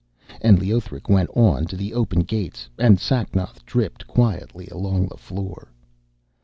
And Leothric went on to the open gates, and Sacnoth dripped quietly along the floor.